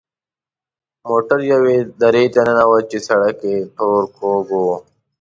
موټر یوې درې ته ننوت چې سړک یې تور کوږ وږ و.